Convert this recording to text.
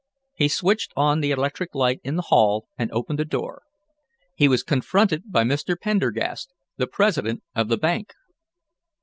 He switched on the electric light in the hall, and opened the door. He was confronted by Mr. Pendergast, the president of the bank.